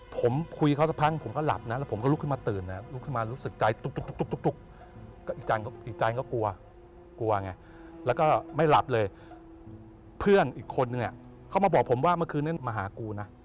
ผมคุยเขาสักพักผมก็หลับนะแล้วผมก็ลุกขึ้นมาตื่นนะลุกขึ้นมารู้สึกใจตุ๊กอีกใจก็กลัวกลัวไงแล้วก็ไม่หลับเลยเพื่อนอีกคนนึงเขามาบอกผมว่าเมื่อคืนนี้มาหากูนะ